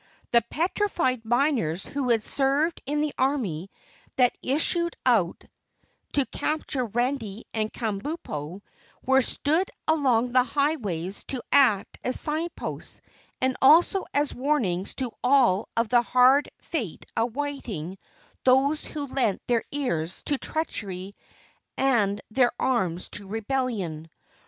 The petrified miners who had served in the army that issued out to capture Randy and Kabumpo were stood along the highways to act as sign posts and also as warnings to all of the hard fate awaiting those who lent their ears to treachery and their arms to rebellion.